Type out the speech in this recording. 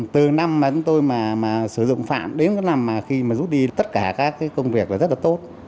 từ năm chúng tôi sử dụng phạm đến năm khi rút đi tất cả các công việc rất tốt